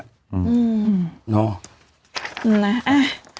อืมเนอะ